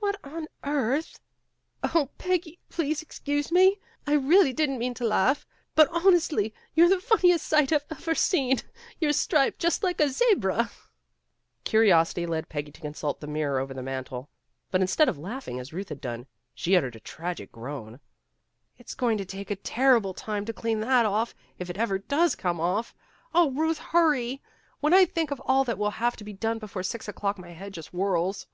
"What on earth" "Oh, Peggy, please excuse me. I really did n 't mean to laugh, but honestly you 're the fun niest sight I've ever seen. You're striped just like a zebra." Curiosity led Peggy to consult the mirror over the mantel. But instead of laughing as PEGGY GIVES A DINNER 195 Euth had done, she uttered a tragic groan. "It's going to take a terrible time to clean that off, if it ever does come off. Oh, Ruth, hurry! When I think of all that will have to be done before six o'clock, my head just whirls."